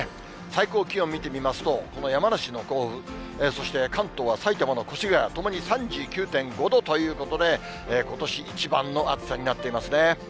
最高気温見てみますと、この山梨の甲府、そして関東は埼玉の越谷、ともに３９．５度ということで、ことし一番の暑さになっていますね。